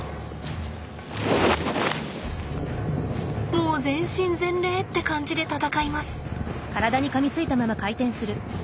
もう全身全霊って感じで戦います。